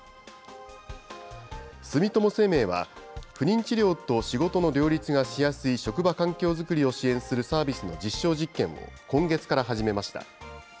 住友生命は不妊治療と仕事の両立がしやすい職場環境作りを支援するサービスの実証実験を今月から始めました。